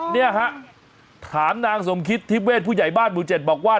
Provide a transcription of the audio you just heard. เนี่ยฮะถามนางสมคิตทิพเวทผู้ใหญ่บ้านหมู่๗บอกว่า